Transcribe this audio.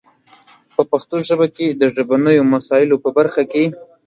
په پښتو ژبه کې د ژبنیو مسایلو په برخه کې